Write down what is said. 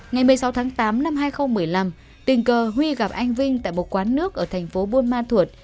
ngày một mươi sáu tháng tám năm hai nghìn một mươi năm tình cờ huy gặp anh vinh tại một quán nước ở thành phố buôn ma thuột